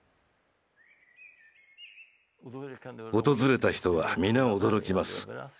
訪れた人は皆驚きます。